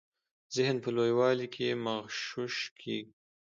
ذهن په لویوالي کي مغشوش کیږي.